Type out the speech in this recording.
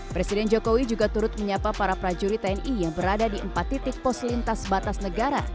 presiden jokowi juga turut menyapa para prajurit tni yang berada di empat titik pos lintas batas negara